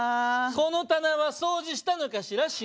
「その棚は掃除したのかしら？